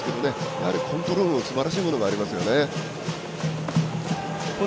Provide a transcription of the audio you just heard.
やはりコントロールもすばらしいものがありますね。